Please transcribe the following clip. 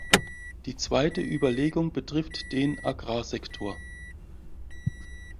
Die zweite Überlegung betrifft den Agrarsektor.